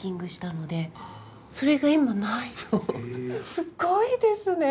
すごいですね。